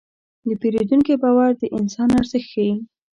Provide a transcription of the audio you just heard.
د پیرودونکي باور د انسان ارزښت ښيي.